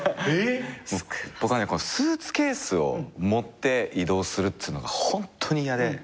僕はねスーツケースを持って移動するっつうのがホントに嫌で。